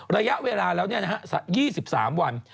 ระยะเวลาแล้ว๒๓วัน